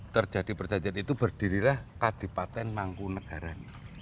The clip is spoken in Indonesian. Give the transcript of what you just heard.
terjadi perjanjian itu berdirilah kadipaten mangkunagaran